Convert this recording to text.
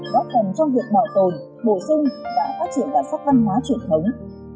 góp cần trong việc bảo tồn bổ sung và phát triển đặc sắc văn hóa truyền thống